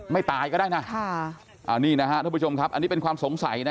ตายก็ได้นะนี่นะฮะท่านผู้ชมครับอันนี้เป็นความสงสัยนะ